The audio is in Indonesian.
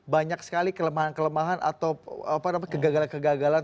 banyak sekali kelemahan kelemahan atau kegagalan kegagalan